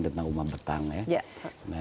tentang rumah betang ya